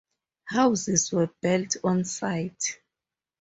Houses were built on site.